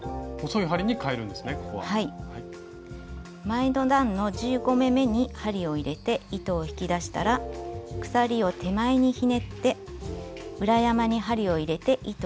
前の段の１５目めに針を入れて糸を引き出したら鎖を手前にひねって裏山に針を入れて糸を引き出します。